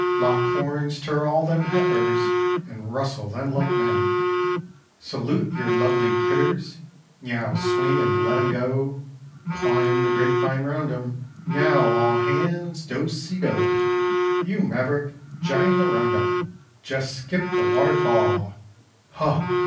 Lock horns ter all them heifers and rustle them like men; Saloot yer lovely critters; neow swing and let 'em go; Climb the grapevine round 'em; neow all hands do ce do! You maverick, jine the round up, jes skip the waterfall," Huh!